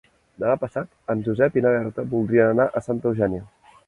Demà passat en Josep i na Berta voldrien anar a Santa Eugènia.